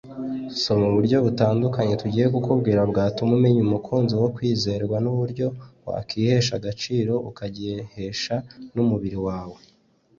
Soma uburyo butandukanye tugiye kukubwira bwatuma umeya umukunzi wo kwizerwa n’uburyo wakwihesha agaciro ukagahesha n’umubiri wawe